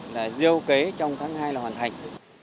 là gieo cấy trong tháng hai là hoàn thành